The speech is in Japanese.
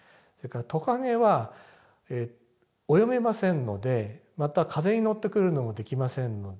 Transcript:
それからトカゲは泳げませんのでまた風に乗ってくるのもできませんので